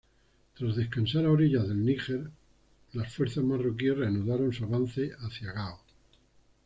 Tras descansar a orillas del Níger, las fuerzas marroquíes reanudaron su avance hacia Gao.